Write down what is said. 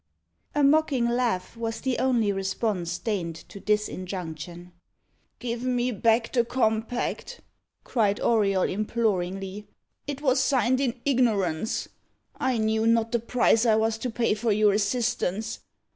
A mocking laugh was the only response deigned to this injunction. "Give me back the compact," cried Auriol imploringly. "It was signed in ignorance. I knew not the price I was to pay for your assistance.